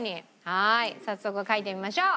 はい早速描いてみましょう。